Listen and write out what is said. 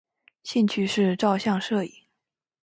兴趣是照相摄影。